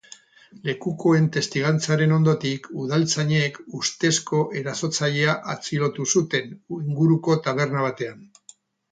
Lekukoen testigantzaren ondotik, udaltzainek ustezko erasotzailea atxilotu zuten inguruko taberna batean.